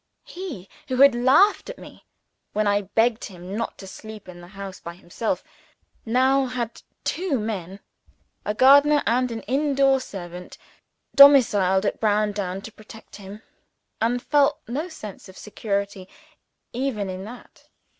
He, who had laughed at me when I begged him not to sleep in the house by himself, now had two men (a gardener and an indoor servant) domiciled at Browndown to protect him and felt no sense of security even in that.